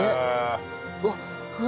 うわっふわ。